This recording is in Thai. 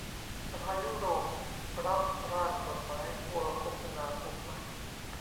สภายุโรปรับร่างกฎหมายโทรคมนาคมใหม่